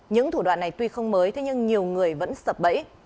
những thủ đoạn này tuy không mới thế nhưng nhiều người vẫn sập bẫy